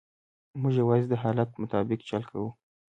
موږ یوازې د حالت مطابق چل کوو.